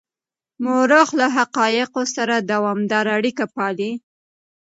مورخ له حقایقو سره دوامداره اړیکه پالي.